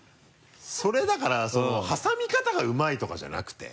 それだから挟み方がうまいとかじゃなくて？